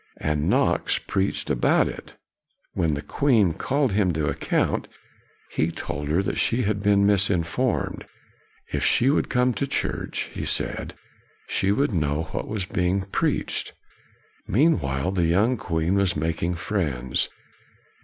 And Knox preached about it. When the Queen called him to account, KNOX 139 he told her that she had been misinformed. If she would come to church, he said, she would know what was being preached. Meanwhile, the young queen was mak ing friends.